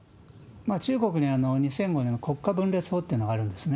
中国には２００５年の国家分裂法っていうのがあるんですね。